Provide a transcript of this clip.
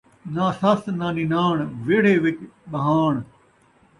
ناں سس ناں نناݨ ، ویڑھے وِچ ٻہاݨ